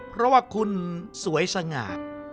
เพราะว่าคุณสวยสง่า